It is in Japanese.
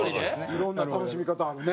いろんな楽しみ方あるね。